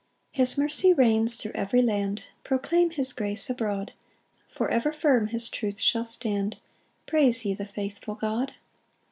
2 His mercy reigns thro' every land; Proclaim his grace abroad; For ever firm his truth shall stand, Praise ye the faithful God.